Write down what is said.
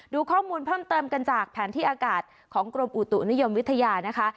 ดูข้อมูลเพิ่มเติมกันจากแผนที่อากาศของกรมอุตุนิยมวิทยานะคะ